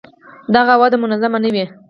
دغه وده منظمه نه وي.